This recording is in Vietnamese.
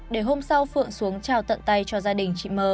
để hôm sau phượng xuống trao tận tay cho gia đình chị m